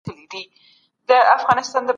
ما پرون یو سړی ولیدی چي د غیرت په مانا پوهېدی.